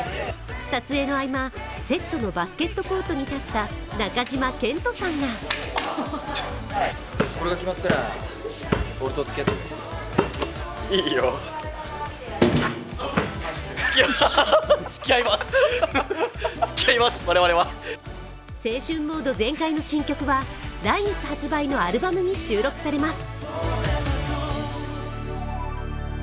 撮影の合間、セットのバスケットコートに立った中島健人さんが青春モード全開の新曲は来月発売のアルバムに収録されます。